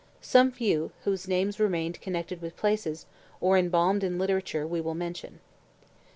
Some few, whose names remain connected with places, or embalmed in literature, we will mention.